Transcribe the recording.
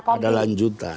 masih ada lanjutan